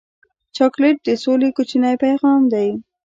چاکلېټ د سولې کوچنی پیغام دی.